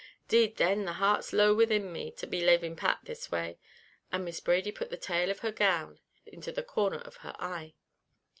'Deed then, the heart's low within me, to be laving Pat this way!" And Miss Brady put the tail of her gown into the corner of her eye.